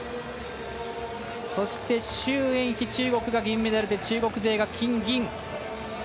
そして、周艶菲、中国が銀メダルで中国勢が金、銀。